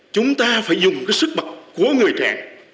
chúng ta phải dùng cái sức bật của người trẻ